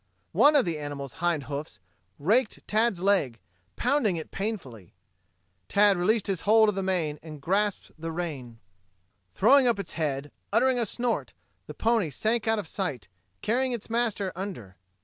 One of the animal's hind hoofs raked Tad's leg, pounding it painfully. Tad released his hold of the mane and grasped the rein. Throwing up its head, uttering a snort, the pony sank out of sight, carrying its master under.